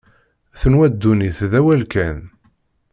Tenwa ddunit d awal kan.